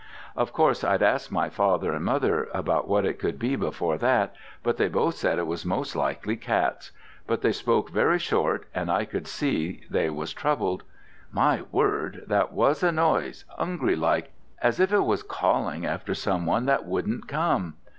Of course I'd asked my father and mother about what it could be before that, but they both said it was most likely cats: but they spoke very short, and I could see they was troubled. My word! that was a noise 'ungry like, as if it was calling after some one that wouldn't come.